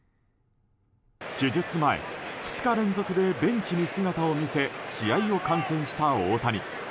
手術前、２日連続でベンチに姿を見せ試合を観戦した大谷。